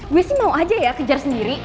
gue sih mau aja ya kejar sendiri